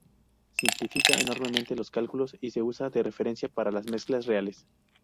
Simplifica enormemente los cálculos y se usa de referencia para las mezclas reales.